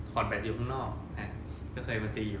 คอร์ดแบตอยู่ข้างนอกนะฮะก็เคยมาตีอยู่